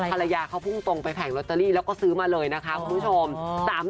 ภรรยาเขาพุ่งตรงไปแผงลอตเตอรี่แล้วก็ซื้อมาเลยนะคะคุณผู้ชม